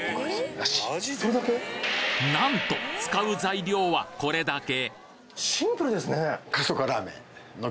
なんと使う材料はこれだけ！？